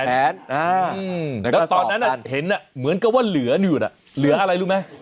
แล้วตอนนั้นเห็นเหมือนกับว่าเหลืออยู่น่ะเหลืออะไรรู้ไหม